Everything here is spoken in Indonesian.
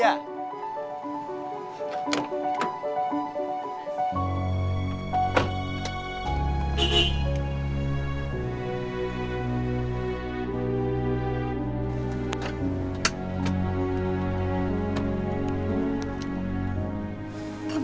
kamu berhak bahagia